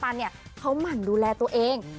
เพราะปันเนี่ยมันดูแลตัวเอง